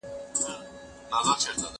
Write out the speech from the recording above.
زه کالي وچولي دي،